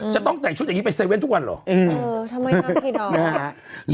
จะต้องจ่ายชุดอย่างนี้ไปเซเวนต์ทุกวันเหรอ